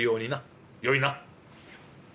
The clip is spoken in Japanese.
よいな？